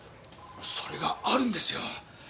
それがあるんですよ。